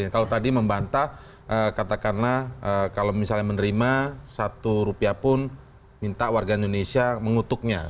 kalau tadi membantah katakanlah kalau misalnya menerima satu rupiah pun minta warga indonesia mengutuknya